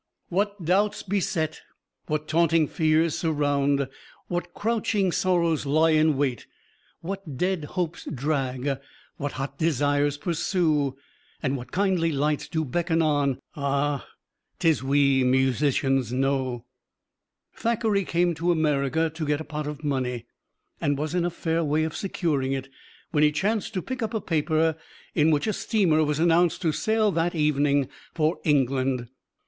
What doubts beset, what taunting fears surround, what crouching sorrows lie in wait, what dead hopes drag, what hot desires pursue, and what kindly lights do beckon on ah! "'tis we musicians know." Thackeray came to America to get a pot of money, and was in a fair way of securing it, when he chanced to pick up a paper in which a steamer was announced to sail that evening for England.